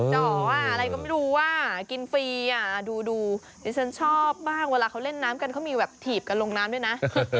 จ๋ออะไรก็ไม่รู้ว่ากินฟรีอ่ะดูดิฉันชอบบ้างเวลาเขาเล่นน้ำกันเขามีแบบถีบกันลงน้ำด้วยนะ